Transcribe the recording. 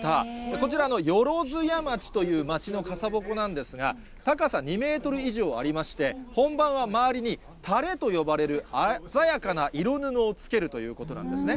こちらの万屋町という町の傘鉾なんですが、高さ２メートル以上ありまして、本番は周りにたれと呼ばれる鮮やかな色布を付けるということなんですね。